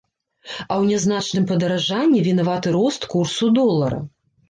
А ў нязначным падаражанні вінаваты рост курсу долара.